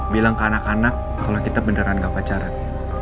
bilang ke anak anak kalau kita beneran gak pacaran